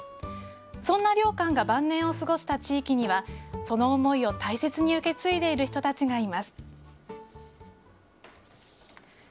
そんな良寛が晩年を過ごした地域には、その思いを大切に受け継いでいる人たちがいます。